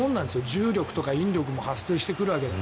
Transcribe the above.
重力、引力も発生してくるわけ。